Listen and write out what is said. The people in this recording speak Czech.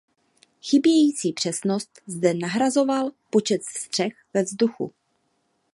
Chybějící přesnost zde nahrazoval počet střel ve vzduchu.